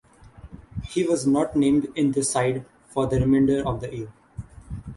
He was not named in their side for the remainder of the year.